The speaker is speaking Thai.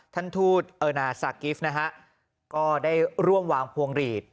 ท่านทูตเออนาซากิฟต์นะฮะก็ได้ร่วมวางพวงหลีด